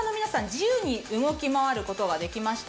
自由に動き回る事ができまして。